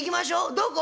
どこ？